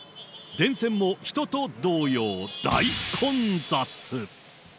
電線も人と同様、大混雑。